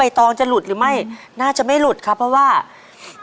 นับการทำงานบ้างครับ